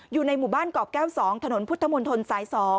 อยู่ในหมู่บ้านกอกแก้ว๒ถนนพุทธมนตรสาย๒